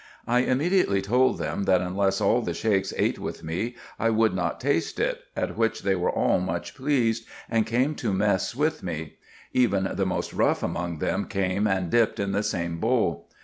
I immediately told them that unless all the Sheiks ate with me I would not taste it, at which they were all much pleased, and came to mess with me ; even the most rough among them came and dipped in the same bowl.